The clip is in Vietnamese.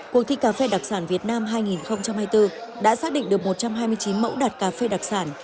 cuộc thi cà phê đặc sản việt nam hai nghìn hai mươi bốn đã xác định được một trăm hai mươi chín mẫu đặt cà phê đặc sản